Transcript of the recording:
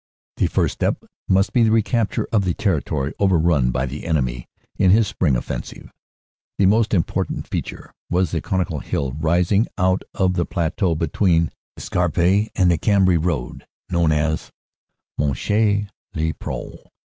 The first step must be the recapture of the territory over run by the enemy in his spring offensive. The most important feature was the conical hill rising out of the plateau between the Scarpe and the Cambrai road known as Monchy le Preux.